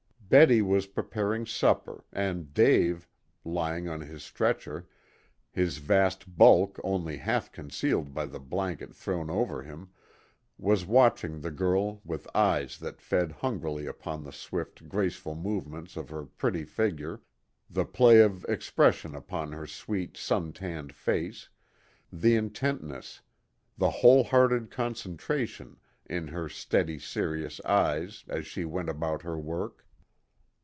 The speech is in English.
Betty was preparing supper, and Dave, lying on his stretcher, his vast bulk only half concealed by the blanket thrown over him, was watching the girl with eyes that fed hungrily upon the swift, graceful movements of her pretty figure, the play of expression upon her sweet, sun tanned face, the intentness, the whole hearted concentration in her steady, serious eyes as she went about her work.